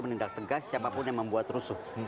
menindak tegas siapapun yang membuat rusuh